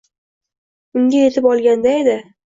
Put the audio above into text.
Unga yetib olganda edi.